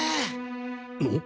おっ！